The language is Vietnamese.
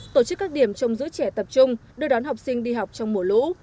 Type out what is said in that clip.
tổ chức các điểm trong giữ trẻ tập trung đưa đón học sinh đi học trong mùa lũ